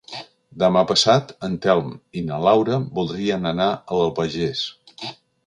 Demà passat en Telm i na Laura voldrien anar a l'Albagés.